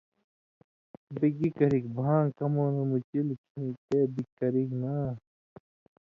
بے گی کرِگ بھاں کمؤں نہ مُچل کھیں تے بِگ کرِگ نا